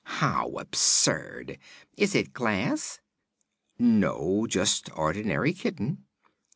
How absurd! Is it glass?" "No; just ordinary kitten."